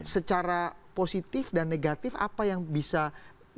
secara positif dan negatif apa yang diperlukan